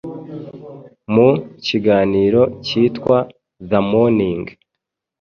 mu kiganiro cyitwa “The morning